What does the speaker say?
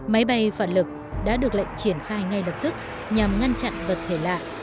máy bay phản lực đã được lệnh triển khai ngay lập tức nhằm ngăn chặn vật thể lạ